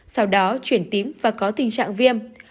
sau đó chuyển tím và có tình trạng viêm